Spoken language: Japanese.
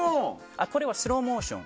これはスローモーション。